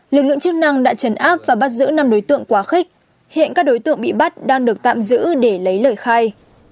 lực lượng chức năng đã trấn áp và bắt giữ năm đối tượng quá khích hiện các đối tượng bị bắt đang được tạm giữ để lấy lời khai